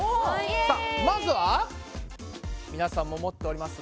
さあまずはみなさんも持っております